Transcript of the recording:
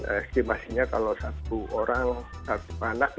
estimasinya kalau satu orang satu anak